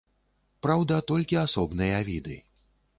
Праўда, толькі асобныя віды.